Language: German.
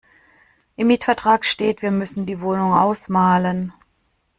Im Mietvertrag steht, wir müssen die Wohnung ausmalen.